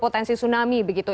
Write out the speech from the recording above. potensi tsunami begitu